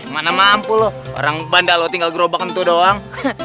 mana mampu lu orang bandal lu tinggal gerobak entuh doang